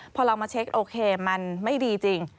พอเรามาเช็คโอเคมันไม่ดีจริง